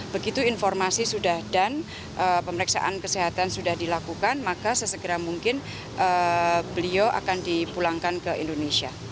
begitu informasi sudah dan pemeriksaan kesehatan sudah dilakukan maka sesegera mungkin beliau akan dipulangkan ke indonesia